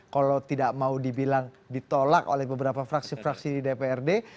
kalau tidak mau dibilang ditolak oleh beberapa fraksi fraksi di dprd